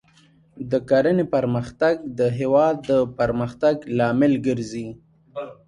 د کرنې پرمختګ د هېواد د پرمختګ لامل ګرځي.